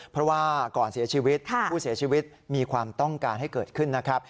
เพราะว่าก่อนเสียชีวิตผู้เสียชีวิตมีความต้องการให้เกิดขึ้นนะครับ